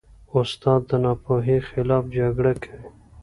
استاد د ناپوهۍ خلاف جګړه کوي.